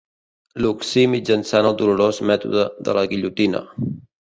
L'occí mitjançant el dolorós mètode de la guillotina.